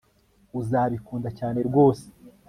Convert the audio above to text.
uzabikunda cyane rwose